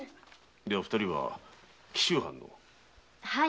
では二人は紀州藩の？はい。